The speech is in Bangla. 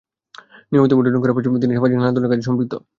নিয়মিত মডেলিং করার পাশাপাশি তিনি সামাজিক নানা ধরনের কাজের সঙ্গে সম্পৃক্ত।